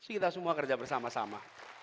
kita semua kerja bersama sama